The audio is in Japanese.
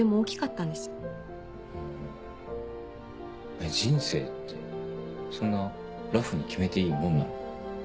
えっ人生ってそんなラフに決めていいもんなの？